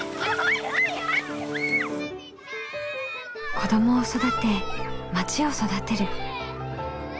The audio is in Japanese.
子どもを育てまちを育てる。